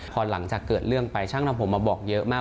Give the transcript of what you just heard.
พอหลังจากเกิดเรื่องไปช่างทำผมมาบอกเยอะมาก